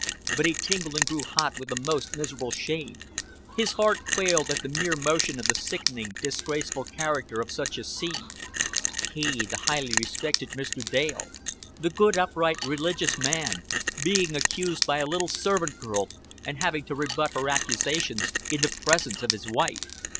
But he tingled and grew hot with a most miserable shame; his heart quailed at the mere notion of the sickening, disgraceful character of such a scene he, the highly respected Mr. Dale, the good upright religious man, being accused by a little servant girl and having to rebut her accusations in the presence of his wife.